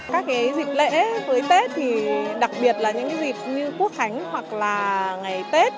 các cái dịp lễ với tết thì đặc biệt là những dịp như quốc khánh hoặc là ngày tết